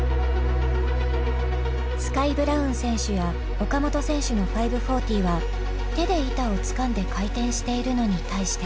スカイ・ブラウン選手や岡本選手の５４０は手で板をつかんで回転しているのに対して。